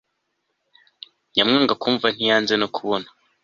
nyamwanga kwumva ntiyanze kubona